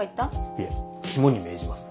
いえ肝に銘じます。